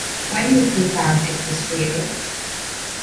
When we put out Is This Real?